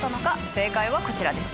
正解はこちらです。